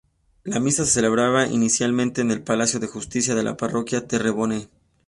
La Misa se celebraba inicialmente en el palacio de justicia de la parroquia Terrebonne.